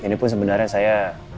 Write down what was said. ini pun sebenarnya saya